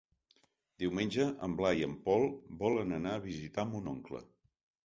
Diumenge en Blai i en Pol volen anar a visitar mon oncle.